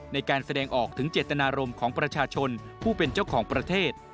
ในการแสดงออกถึงเจตนารมณ์ของประชาชนผู้เป็นเจ้าของประเทศ